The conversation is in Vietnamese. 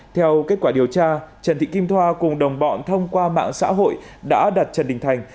theo kết quả điều tra trần thị kim thoa cùng đồng bọn thông qua mạng xã hội đã đặt trần đình thành